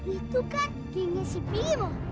itu kan gengnya si pimo